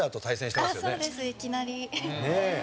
そうですいきなり。